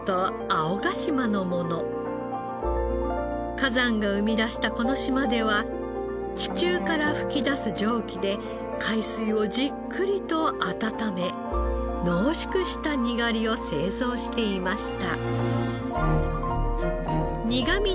火山が生み出したこの島では地中から噴き出す蒸気で海水をじっくりと温め濃縮したにがりを製造していました。